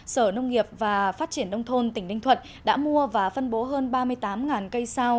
sở nông nghiệp và phát triển nông thôn tỉnh ninh thuận đã mua và phân bố hơn ba mươi tám cây sao